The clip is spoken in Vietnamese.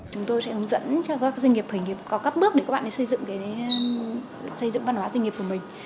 chúng tôi sẽ hướng dẫn cho các doanh nghiệp hình nghiệp có các bước để các bạn xây dựng văn hóa doanh nghiệp của mình